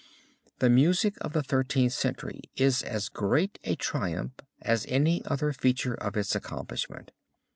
The music of the Thirteenth Century is as great a triumph as any other feature of its accomplishment.